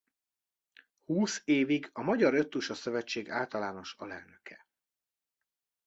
Húsz évig a Magyar Öttusa Szövetség általános alelnöke.